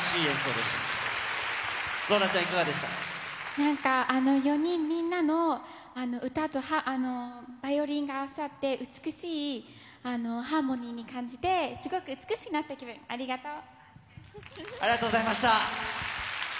ローラちゃん、いかがでしたなんか、４人みんなの歌とバイオリンが合わさって、美しいハーモニーに感じて、すごく美しくなった気分、ありがとう。